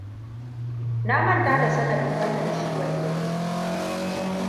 na manta da sanadin wannan ciwon kirji